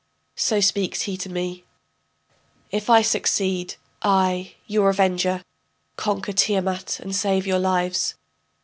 So speaks he to me: If I succeed, I, your avenger, Conquer Tiamat and save your lives.